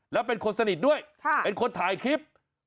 แล้วเป็นคนสนิทด้วยเป็นคนถ่ายคลิป